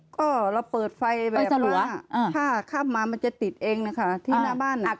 ก็เราเปิดไฟแบบรัวถ้าข้ามมามันจะติดเองนะคะที่หน้าบ้าน